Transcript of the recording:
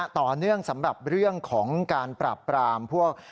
ต่อเนื่องสำหรับเรื่องของการปราบปรามพวก